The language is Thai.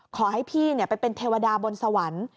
ขอให้พี่ไปเป็นเทวดาบนสวรรค์